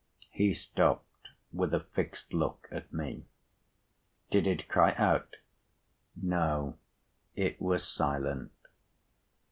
He stopped, with a fixed look at me. "Did it cry out?" "No. It was silent."